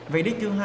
về đích thứ hai